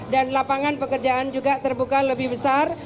dan lapangan pekerjaan juga terbuka lebih besar